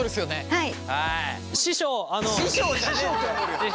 はい。